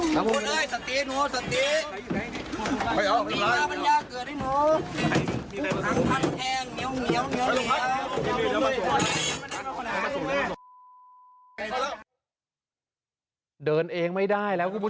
สวยสวยสวยสวยสวยสวยสวย